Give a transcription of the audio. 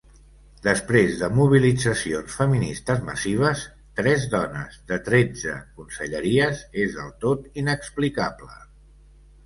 Després de mobilitzacions feministes massives, tres dones de tretze conselleries és del tot inexplicable.